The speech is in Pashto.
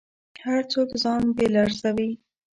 هر څوک ځان بېل ارزوي.